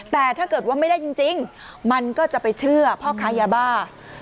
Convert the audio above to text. แต่ถ้าเกิดว่าไม่ได้จริงมันก็จะไปเชื่อพ่อค้ายาบ้า